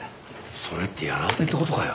それってヤラセって事かよ！？